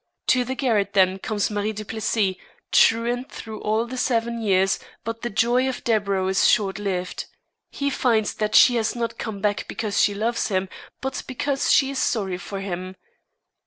To the garret, then, comes Marie Duplessis, truant through all the seven years, but the joy of Deburau is short lived. He finds that she has not come back because she loves him, but because she is sorry for him.